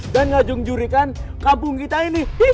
dan ngajung jurikan kampung kita ini